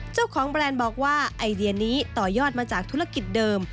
แบรนด์บอกว่าไอเดียนี้ต่อยอดมาจากธุรกิจเดิม